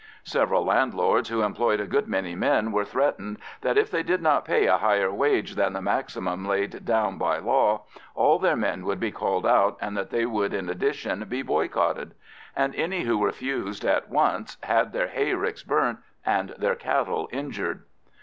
Several landlords who employed a good many men were threatened that, if they did not pay a higher wage than the maximum laid down by law, all their men would be called out and that they would in addition be boycotted. And any who refused at once had their hayricks burnt and their cattle injured.